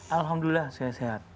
alhamdulillah saya sehat